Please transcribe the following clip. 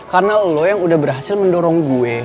karena lo yang udah berhasil mendorong gue